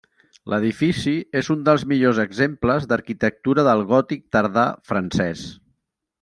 L'edifici és un dels millors exemples d'arquitectura del gòtic tardà francès.